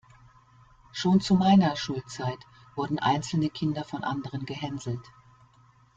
Schon zu meiner Schulzeit wurden einzelne Kinder von anderen gehänselt.